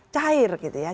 cair gitu ya